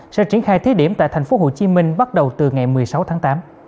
sẽ triển khai thí điểm tại tp hcm bắt đầu từ ngày một mươi sáu tháng tám